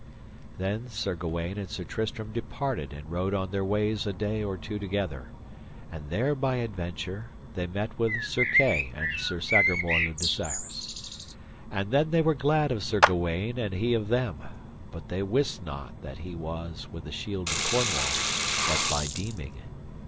Then Sir Gawaine and Sir Tristram departed and rode on their ways a day or two together; and there by adventure, they met with Sir Kay and Sir Sagramore le Desirous. And then they were glad of Sir Gawaine, and he of them, but they wist not what he was with the shield of Cornwall, but by deeming.